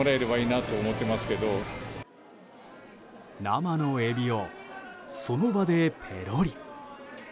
生のエビをその場でペロリ。